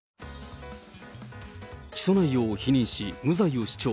起訴内容を否認し、無罪を主張。